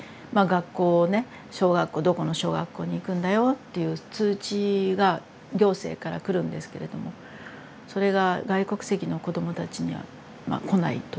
学校ね小学校「どこの小学校に行くんだよ」っていう通知が行政から来るんですけれどもそれが外国籍の子どもたちには来ないという事実がありました。